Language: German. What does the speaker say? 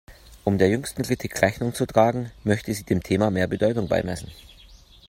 Um der jüngsten Kritik Rechnung zu tragen, möchte sie dem Thema mehr Bedeutung beimessen.